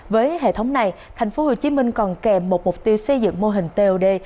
với hệ thống này thành phố hồ chí minh còn kèm một mục tiêu xây dựng mô hình tod